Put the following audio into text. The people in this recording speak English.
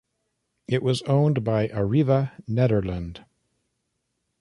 It was owned by Arriva Nederland.